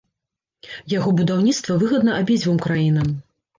Яго будаўніцтва выгадна абедзвюм краінам.